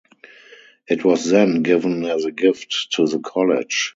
It was then given as a gift to the college.